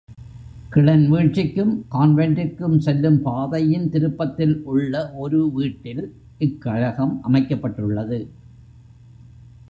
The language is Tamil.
கிளென் வீழ்ச்சிக்கும் கான்வெண்டுக்கும் செல்லும் பாதையின் திருப்பத்தில் உள்ள ஒரு வீட்டில் இக்கழகம் அமைக்கப்பட்டுள்ளது.